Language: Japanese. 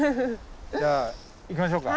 じゃあ行きましょうか。